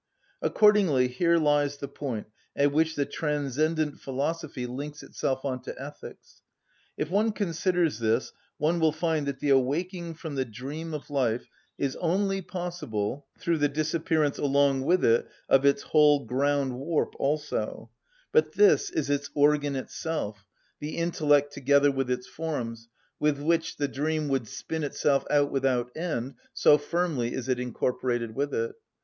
Accordingly here lies the point at which the transcendent philosophy links itself on to ethics. If one considers this one will find that the awaking from the dream of life is only possible through the disappearance along with it of its whole ground‐warp also, But this is its organ itself, the intellect together with its forms, with which the dream would spin itself out without end, so firmly is it incorporated with it.